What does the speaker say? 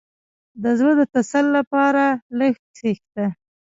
• د زړۀ د تسل لپاره لږ کښېنه.